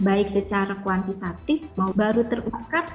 baik secara kuantitatif mau baru terungkap